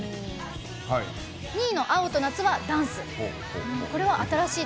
２位の「青と夏」はダンス。